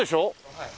はい。